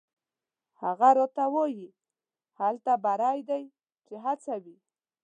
هغه راته وایي: «هلته بری دی چې هڅه وي».